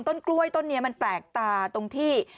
ต้นกล้วยต้นนี้มันแปลกตาตรงที่